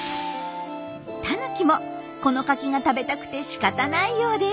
タヌキもこのカキが食べたくてしかたないようです。